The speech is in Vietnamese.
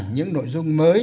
những nội dung mới